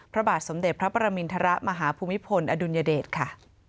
พระบาทสมเด็จพระประมินทรมาฮภูมิพลอดุลยเดชค่ะ